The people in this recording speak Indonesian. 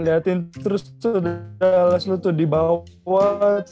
liatin terus tuh dallas lu tuh di bawah